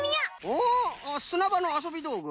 おすなばのあそびどうぐ？